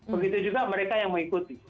begitu juga mereka yang mengikuti